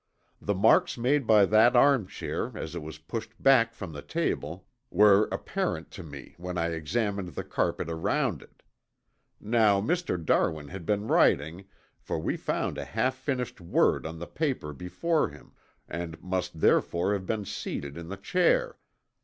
The marks made by that arm chair as it was pushed back from the table were apparent to me when I examined the carpet around it. Now Mr. Darwin had been writing, for we found a half finished word on the paper before him, and must therefore have been seated in the chair.